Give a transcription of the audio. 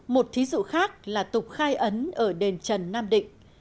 một thí dụ khác là tục khai ấn ở đền trần nam định